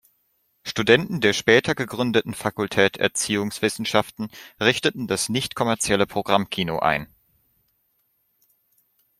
Studenten der später gegründeten Fakultät Erziehungswissenschaften richteten das nichtkommerzielle Programmkino ein.